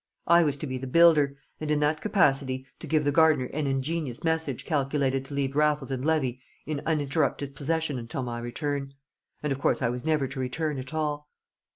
I was to be the builder, and in that capacity to give the gardener an ingenious message calculated to leave Raffles and Levy in uninterrupted possession until my return. And of course I was never to return at all.